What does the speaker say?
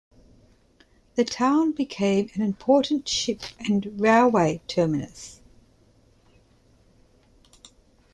The town became an important ship and railway terminus.